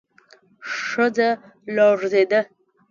ښځه لړزېده.